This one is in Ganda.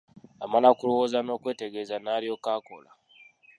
Amala kulowooza n'okwetegereza, n'alyoka akola.